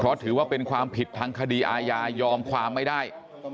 เพราะถือว่าเป็นความผิดทางคดีอาญายอมความไม่ได้